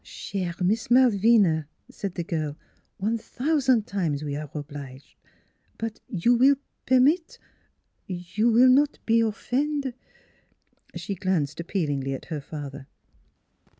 " Chere Mees Malvina," said the girl, " one sousand time we are oblige; but you will permit you will not be offend " She glanced appealingly at her father.